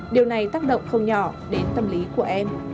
điều này tác động không nhỏ đến tâm lý của em